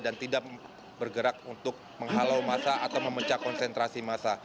dan tidak bergerak untuk menghalau massa atau memecah konsentrasi massa